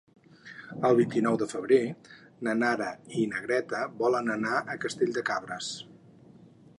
El vint-i-nou de febrer na Nara i na Greta volen anar a Castell de Cabres.